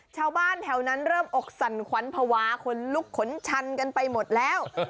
ชาวบ้านแถวนั้นเริ่มอกสั่นขวัญภาวะขนลุกขนชันกันไปหมดแล้ว